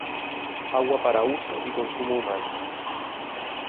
Agua para uso y consumo humano.